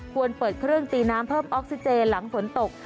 ควรเปิดเครื่องตีน้ำเพิ่มออกซิเจนหลังฝนตก